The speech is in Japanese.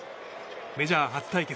メジャー初対決